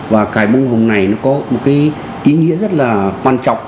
và cài bông hồng này nó có một cái ý nghĩa rất là quan trọng